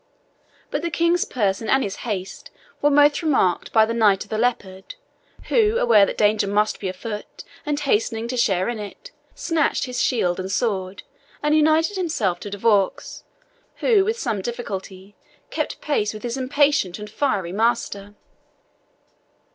But the King's person and his haste were both remarked by the Knight of the Leopard, who, aware that danger must be afoot, and hastening to share in it, snatched his shield and sword, and united himself to De Vaux, who with some difficulty kept pace with his impatient and fiery master.